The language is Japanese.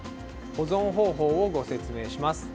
保存方法をご説明します。